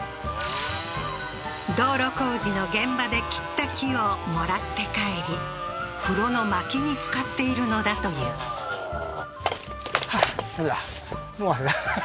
道路工事の現場で切った木をもらって帰り風呂の薪に使っているのだというははは